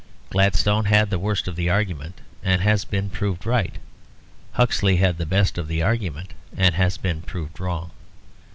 Gladstone had the worst of the argument, and has been proved right. Huxley had the best of the argument, and has been proved wrong.